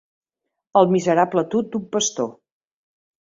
El miserable tut d'un pastor.